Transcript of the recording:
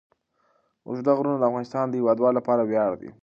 اوږده غرونه د افغانستان د هیوادوالو لپاره ویاړ دی.